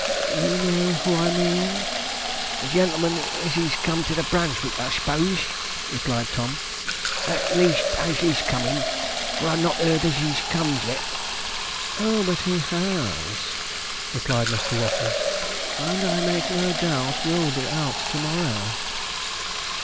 You know who I mean?' 'The gen'leman as is com'd to the Brunswick, I 'spose,' replied Tom; 'at least as is comin', for I've not heard that he's com'd yet.' 'Oh, but he has,' replied Mr. Waffles, 'and I make no doubt will be out to morrow.'